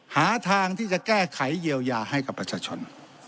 หาทางที่จะแก้ไขเยียวยาให้กับประชาชน